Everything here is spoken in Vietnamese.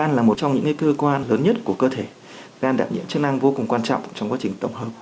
an là một trong những cơ quan lớn nhất của cơ thể đang đảm nhiệm chức năng vô cùng quan trọng trong quá trình tổng hợp